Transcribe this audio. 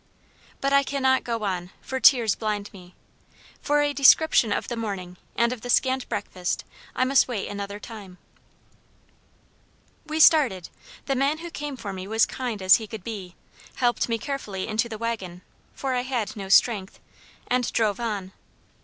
But I cannot go on, for tears blind me. For a description of the morning, and of the scant breakfast, I must wait until another time. "We started. The man who came for me was kind as he could be, helped me carefully into the wagon, (for I had no strength,) and drove on.